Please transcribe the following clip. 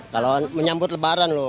kalau menyambut lebaran loh